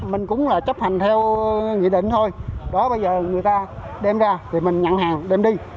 mình cũng là chấp hành theo nghị định thôi đó bây giờ người ta đem ra thì mình nhận hàng đem đi